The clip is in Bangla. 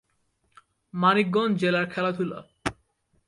মানিকগঞ্জ জেলার খেলাধুলা